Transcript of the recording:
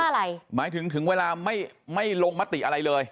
หมายถึงถึงเวลาไม่ไม่ลงมติอะไรเลย